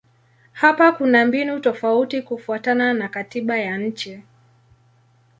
Hapa kuna mbinu tofauti kufuatana na katiba ya nchi.